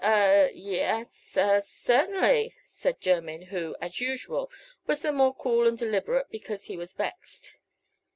"A yes a certainly," said Jermyn, who, as usual, was the more cool and deliberate because he was vexed.